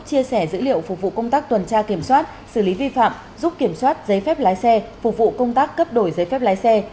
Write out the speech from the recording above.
công tác tuần tra kiểm soát xử lý vi phạm giúp kiểm soát giấy phép lái xe phục vụ công tác cấp đổi giấy phép lái xe